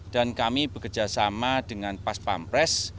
dan kami bekerjasama dengan pas pampres